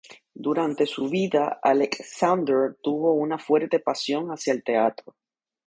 Durante su vida, Aleksander tuvo una fuerte pasión hacia el teatro.